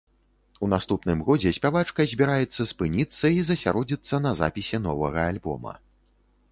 У наступным годзе спявачка збіраецца спыніцца і засяродзіцца на запісе новага альбома.